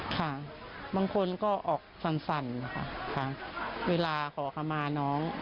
ค่ะบางคนก็ออกสั่นนะคะค่ะเวลาขอคำมาน้อง